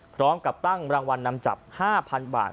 พร้อมกับตั้งรางวัลนำจับ๕๐๐๐บาท